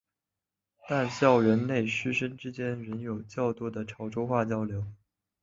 但校园内师生之间仍有较多的潮州话交流。